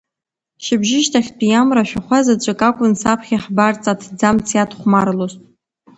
Шьыбжьышьҭахьтәи амра ашәахәа заҵәык акәын саԥхьа ҳбарҵа аҭӡамц иадхәмарлоз.